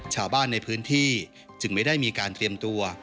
ชาวบ้านในพื้นที่จึงไม่ได้มีการเตรียมตัว